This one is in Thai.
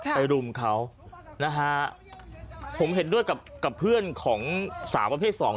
รุมเขานะฮะผมเห็นด้วยกับกับเพื่อนของสาวประเภทสอง